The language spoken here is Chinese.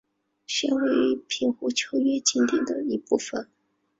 现为平湖秋月景点的一部分。